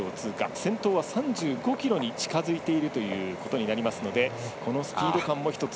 先頭は３５ｋｍに近づいているということになりますのでこのスピード感も一つ